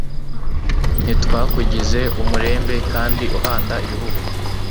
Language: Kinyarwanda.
Ntitwakugize umurembe Kandi uhanda ibihugu,